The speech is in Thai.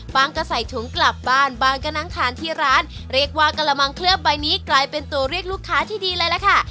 ก็ใส่ถุงกลับบ้านบางก็นั่งทานที่ร้านเรียกว่ากระมังเคลือบใบนี้กลายเป็นตัวเรียกลูกค้าที่ดีเลยล่ะค่ะ